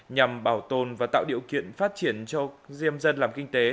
nhằm bảo tồn và tạo điều kiện phát triển cho diêm dân làm kinh tế